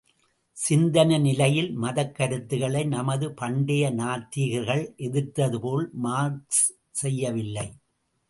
சிந்தனை நிலையில் மதக் கருத்துக்களை நமது பண்டைய நாத்திகர்கள் எதிர்த்ததுபோல், மார்க்ஸ் செய்யவில்லை.